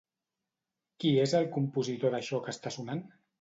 Qui és el compositor d'això que està sonant?